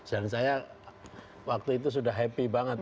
dan saya waktu itu sudah happy banget